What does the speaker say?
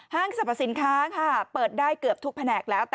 สรรพสินค้าค่ะเปิดได้เกือบทุกแผนกแล้ว